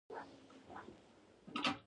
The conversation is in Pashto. شیدې ډېرې ګرمې وې او خوله یې وسوځېده